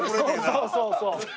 そうそうそうそう。